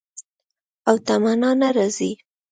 او تمنا نه راځي